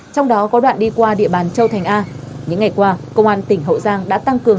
trong đó có đoạn đi qua địa bàn châu thành a những ngày qua công an tỉnh hậu giang đã tăng cường